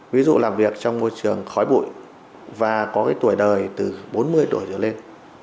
ví dụ làm việc trong môi trường khói bụi và có tuổi đời từ bốn mươi tuổi trở lên